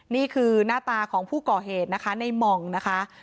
นี่คือหน้าตาของผู้ก่อเหตุในมองนะคะก็เป็นลักษณะของการก่อเหตุ